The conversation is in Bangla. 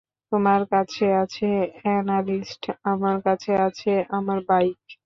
তোমার কাছে আছে অ্যানালিস্ট, আমার কাছে আছে আমার বাইক।